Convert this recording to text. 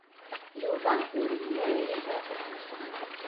Yuba ur yelli ara yesɛa tasnasɣalt.